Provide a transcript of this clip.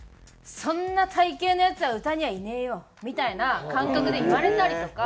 「そんな体形のやつは歌にはいねえよ」みたいな感覚で言われたりとか。